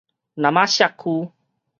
那瑪夏區